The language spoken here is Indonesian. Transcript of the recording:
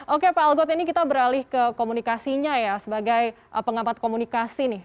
oke pak algot ini kita beralih ke komunikasinya ya sebagai pengamat komunikasi nih